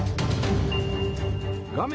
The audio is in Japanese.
画面